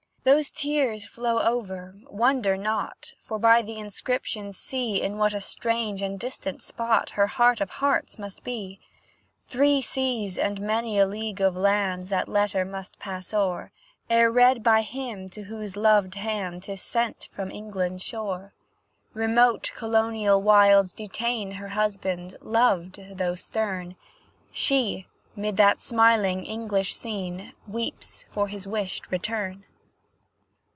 Those tears flow over, wonder not, For by the inscription see In what a strange and distant spot Her heart of hearts must be! Three seas and many a league of land That letter must pass o'er, Ere read by him to whose loved hand 'Tis sent from England's shore. Remote colonial wilds detain Her husband, loved though stern; She, 'mid that smiling English scene, Weeps for his wished return.